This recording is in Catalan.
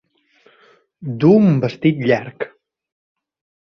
Duu un vestit llarg.